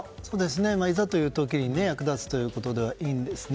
いざという時に役立つということではいいんですね。